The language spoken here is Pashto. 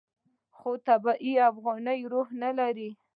خو طبیعي افغاني روح نه لري.